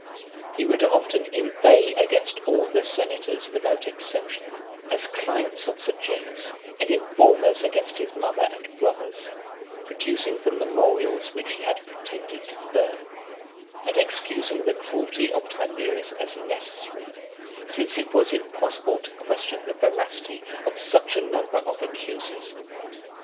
He would often inveigh against all the senators without exception, as clients of Sejanus, and informers against his mother and brothers, producing the memorials which he had pretended to burn, and excusing the cruelty of Tiberius as necessary, since it was impossible to question the veracity of such a number of accusers .